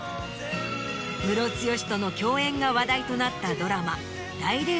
ムロツヨシとの共演が話題となった。